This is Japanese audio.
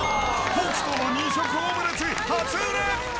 北斗の２色オムレツ初売れ。